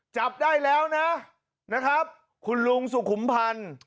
จับได้แล้วนะนะครับคุณลุงสุขุมพันธ์